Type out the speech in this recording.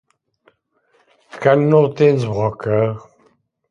Que no tens boca?